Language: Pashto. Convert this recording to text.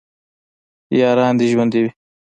یاران دې ژوندي وي